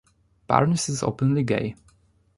Barnes is openly gay.